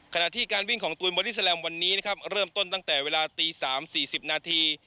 ขณะที่การวิ่งของตูนบอดี้แลมวันนี้นะครับเริ่มต้นตั้งแต่เวลาตี๓๔๐นาที